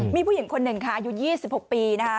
มีผู้หญิงคนหนึ่งค่ะอายุ๒๖ปีนะคะ